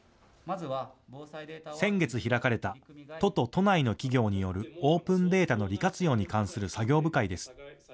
先月開かれた都と都内の企業によるオープンデータの利活用に関する作業部会です。